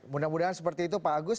mudah mudahan seperti itu pak agus